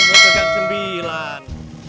gue ke jan sembilan